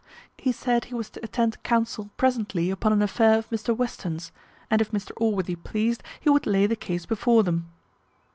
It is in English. He said he was to attend counsel presently upon an affair of Mr Western's, and if Mr Allworthy pleased he would lay the case before them."